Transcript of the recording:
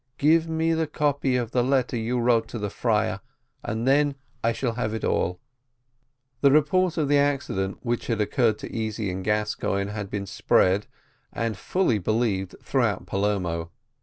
Give me the copy of the letter you wrote to the friar, and then I shall have it all." The report of the accident which had occurred to Easy and Gascoigne had been spread and fully believed throughout Palermo.